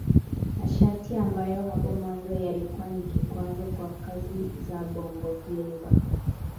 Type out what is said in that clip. Masharti ambayo hapo mwanzo yalikuwa ni kikwazo kwa kazi za bongofleva